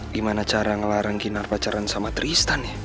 gimana cara ngelarang kinar pacaran sama tristan ya